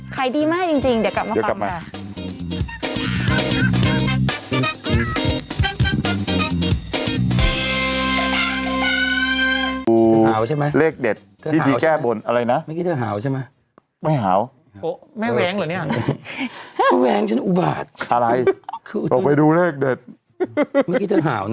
ขายดีมากจริงเดี๋ยวกลับใหม่กันแล้ว